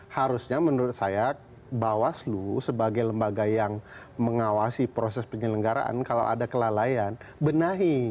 harusnya menurut saya bawaslu sebagai lembaga yang mengawasi proses penyelenggaraan kalau ada kelalaian benahi